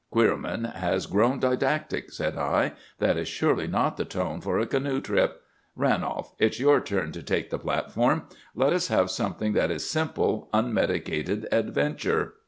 "Queerman has grown didactic," said I. "That is surely not the tone for a canoe trip. Ranolf, it's your turn to take the platform. Let us have something that is simple, unmedicated adventure!"